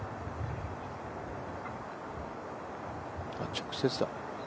直接だ。